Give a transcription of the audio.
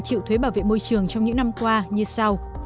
chịu thuế bảo vệ môi trường trong những năm qua như sau